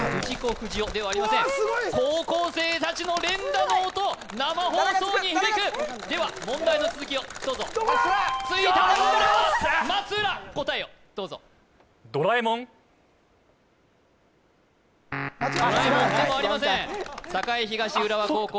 不二雄ではありません高校生達の連打の音生放送に響くでは問題の続きをどうぞついたのは浦和松浦答えをどうぞドラえもんドラえもんでもありません栄東浦和高校